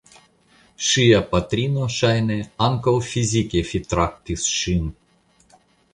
Ŝia patrino ŝajne ankaŭ fizike fitraktis ŝin.